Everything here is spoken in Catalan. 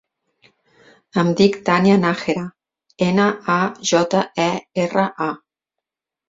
Em dic Tània Najera: ena, a, jota, e, erra, a.